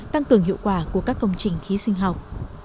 tăng cường hiệu quả của các công trình khí sinh học